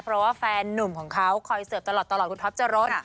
เพราะว่าแฟนนุ่มของเขาคอยเสิร์ฟตลอดคุณท็อปจรด